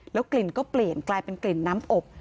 กลิ่นก็เปลี่ยนกลายเป็นกลิ่นน้ำอบ